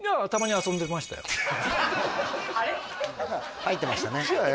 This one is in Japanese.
入ってましたね